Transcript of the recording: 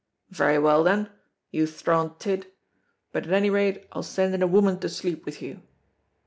"Very well, then, you thrawn tid, but at any rate I'll send in a woman to sleep with you."